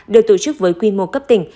được tổ chức với quy mô cấp tỉnh